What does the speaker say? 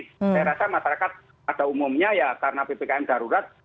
saya rasa masyarakat pada umumnya ya karena ppkm darurat